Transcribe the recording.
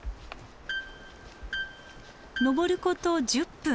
登ること１０分。